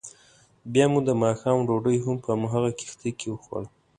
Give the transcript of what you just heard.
بیا مو دماښام ډوډۍ هم په همغه کښتۍ کې وخوړه.